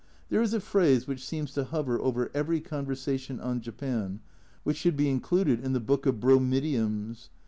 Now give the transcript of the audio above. There is a phrase which seems to hover over every conversation on Japan, which should be included in the Book of Bromidioms.